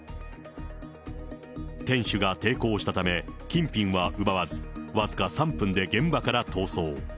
店主が抵抗したため、金品は奪わず、僅か３分で現場から逃走。